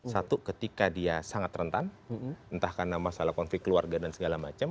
satu ketika dia sangat rentan entah karena masalah konflik keluarga dan segala macam